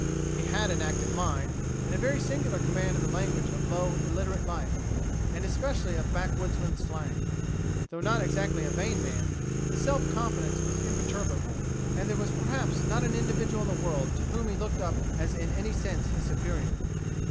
He had an active mind, and a very singular command of the language of low, illiterate life, and especially of backwoodman's slang. Though not exactly a vain man, his self confidence was imperturbable, and there was perhaps not an individual in the world to whom he looked up as in any sense his superior.